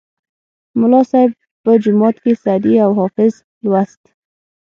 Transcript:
ملا صیب به جومات کې سعدي او حافظ لوست.